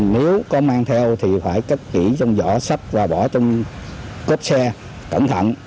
nếu có mang theo thì phải cất kỹ trong vỏ sách và bỏ trong cốt xe cẩn thận